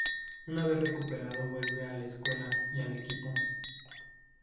Una vez recuperado vuelve a la escuela y al equipo.